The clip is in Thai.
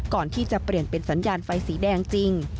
ก่อนที่จะเปลี่ยนเป็นสัญญาณไฟสีแดงจริง